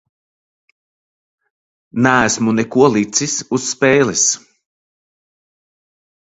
Neesmu neko licis uz spēles.